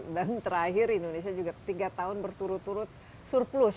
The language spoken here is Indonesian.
dan terakhir indonesia juga tiga tahun berturut turut surplus